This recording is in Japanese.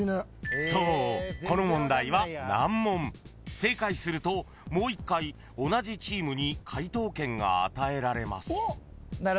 ［正解するともう一回同じチームに解答権が与えられます］